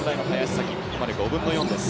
ここまで５分の４です。